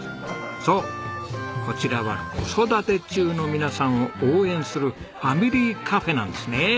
そうこちらは子育て中の皆さんを応援するファミリーカフェなんですね。